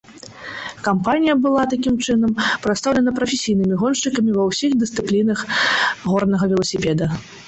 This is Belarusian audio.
Кампанія была, такім чынам, прадстаўлена прафесійнымі гоншчыкамі ва ўсіх дысцыплінах горнага веласіпеда.